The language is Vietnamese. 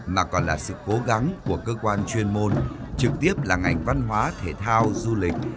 mà còn là sự cố gắng của cơ quan chuyên môn trực tiếp là ngành văn hóa thể thao du lịch